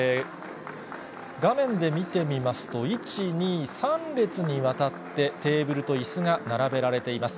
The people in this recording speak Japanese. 画面で見てみますと、１、２、３列にわたって、テーブルといすが並べられています。